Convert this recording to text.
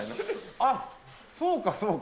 あっ、そうか、そうか。